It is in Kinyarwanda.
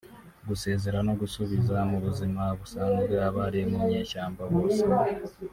gusezerera no gusubiza mu buzima busanzwe abari mu nyeshyamba bose